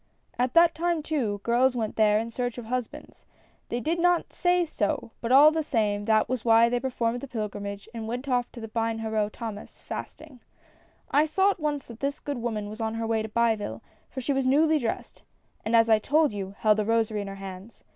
"At that time, too, girls went there in search of husbands. They did not say so, but all the same that was why they performed the pilgrimage, and went off to Bienheureux Thomas^ fasting. I saw at once that this good woman was on her way to Biville, for she was newly dressed, and as I told you, held a rosary in her hands.